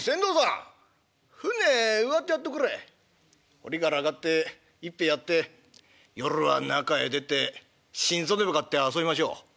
堀から上がって一杯やって夜は仲へ出て新造でも買って遊びましょう。